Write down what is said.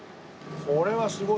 これはすごい。